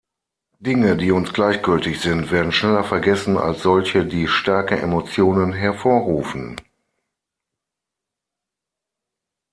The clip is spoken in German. Dinge, die uns gleichgültig sind, werden schneller vergessen als solche, die starke Emotionen hervorrufen.